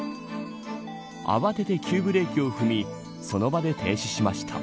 慌てて急ブレーキを踏みその場で停止しました。